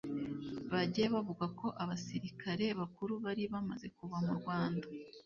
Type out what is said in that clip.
bagiye bavuga ko abasirikare bakuru bari bamaze kuva mu Rwanda